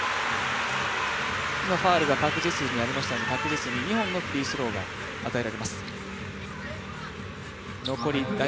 今、ファウルがパク・ジスにありましたのでパク・ジスに２本のフリースローが与えられます。